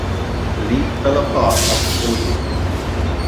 The league fell apart after four years.